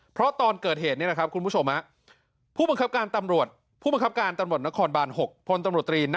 เพราะตอนเกิดเหตุนี้นะครับคุณผู้ชม